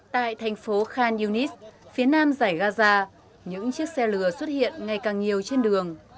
tại thành phố khan yunis phía nam giải gaza những chiếc xe lừa xuất hiện ngày càng nhiều trên đường